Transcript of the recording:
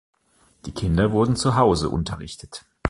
Die Kinder wurden zu Hause unterrichtet.